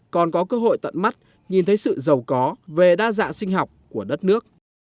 còn có cơ hội tận mắt nhìn thấy sự giàu có về đa dạng sinh học của đất nước